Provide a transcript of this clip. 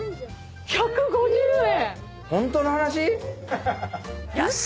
１５０円！